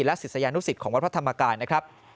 และศิษยานุสิตของวัดพระธรรมกายนะครับ